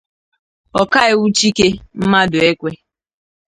Ọkaiwu Chike Mmadụekwe